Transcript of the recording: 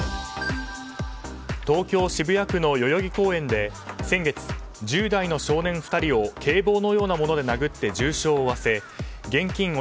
東京・渋谷区の代々木公園で先月１０代の少年２人を警棒のようなもので殴って重傷を負わせ現金